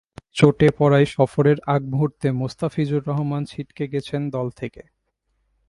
চোটে পড়ায় সফরের আগমুহূর্তে মোস্তাফিজুর রহমান ছিটকে গেছেন দল থেকে।